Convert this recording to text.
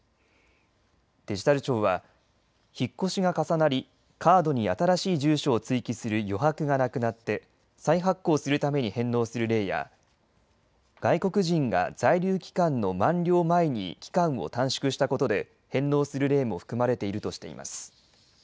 デジタル庁は引っ越しが重なりカードに新しい住所を追記する余白がなくなって再発行するために返納する例や外国人が在留期間の満了前に期間を短縮したことで返納する例も含まれているとしています。